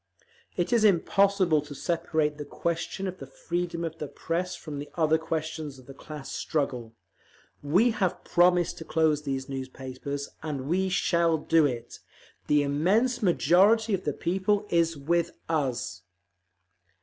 It is impossible to separate the question of the freedom of the Press from the other questions of the class struggle. We have promised to close these newspapers, and we shall do it. The immense majority of the people is with us!